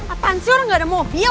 apaan sih orang gak ada mobil